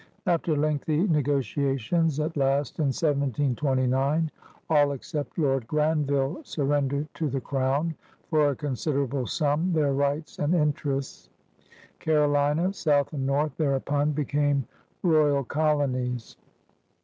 After lengthy negotia tions, at last, in 1729, all except Lord Granville surrendered to the Crown, for a considerable sum, their rights and interests. Carolina, South and North, thereupon became royal colonies.